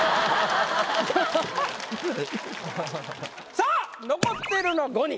さぁ残っているのは５人。